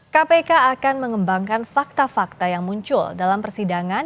kpk akan mengembangkan fakta fakta yang muncul dalam persidangan